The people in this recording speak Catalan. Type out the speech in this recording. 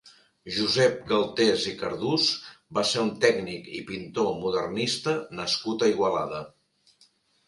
Josep Galtés i Cardús va ser un tècnic i pintor modernista nascut a Igualada.